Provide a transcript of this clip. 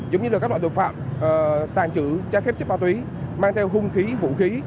giống như là các loại tội phạm tàn trữ trai phép trên ma túy mang theo hung khí vũ khí